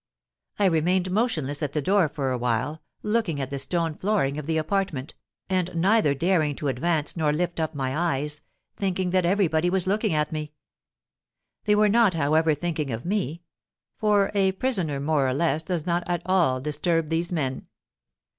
I remained motionless at the door for awhile, looking at the stone flooring of the apartment, and neither daring to advance nor lift up my eyes, thinking that everybody was looking at me. They were not, however, thinking of me; for a prisoner more or less does not at all disturb these men.